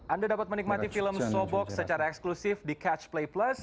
anda dapat menikmati film sobox secara eksklusif di catch play plus